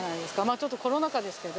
ちょっとコロナ禍ですけど。